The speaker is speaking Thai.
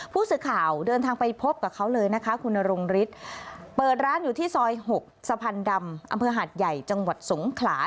ผู้สื่อข่าวเดินทางไปพบกับเขาเลยนะคะคุณนรงฤทธิ์เปิดร้านอยู่ที่ซอย๖สะพานดำอำเภอหาดใหญ่จังหวัดสงขลา